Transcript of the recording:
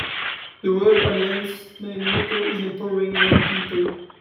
The World Alliance's main motto is empowering young people.